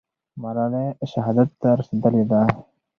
ملالۍ شهادت ته رسېدلې ده.